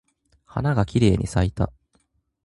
花がきれいに咲いた。